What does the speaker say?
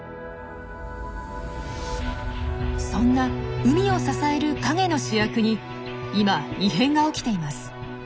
そんな海を支える影の主役に今異変が起きています。